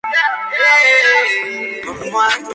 Se ubica aproximadamente por el cuello, la axila y el brazo.